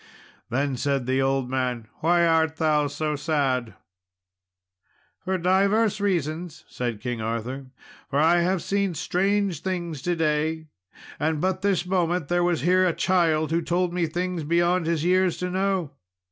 Then said the old man, "Why art thou so sad?" "For divers reasons," said King Arthur; "for I have seen strange things to day, and but this moment there was here a child who told me things beyond his years to know."